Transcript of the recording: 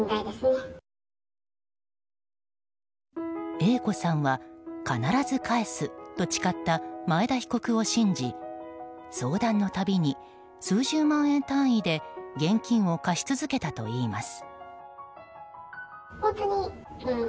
Ａ子さんは必ず返すと誓った前田被告を信じ相談のたびに数十万円単位で現金を貸し続けたといいます。